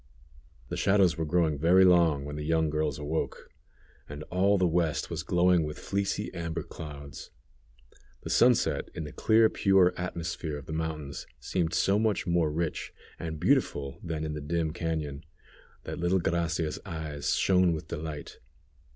The shadows were growing very long when the young girls awoke, and all the west was glowing with fleecy amber clouds. The sunset in the clear pure atmosphere of the mountains seemed so much more rich and beautiful than in the dim cañon, that little Gracia's eyes shone with delight.